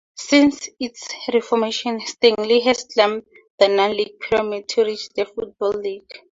Since its reformation, Stanley has climbed the non-League pyramid to reach The Football League.